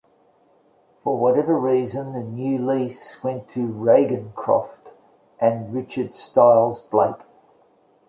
For whatever reason the new lease went to Raingecroft and Richard Stiles Blake.